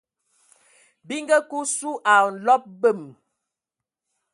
Bi nga kə osu ai nlɔb mbəm.